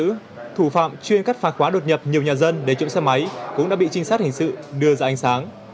trước thủ phạm chuyên cắt phá khóa đột nhập nhiều nhà dân để trộm xe máy cũng đã bị trinh sát hình sự đưa ra ánh sáng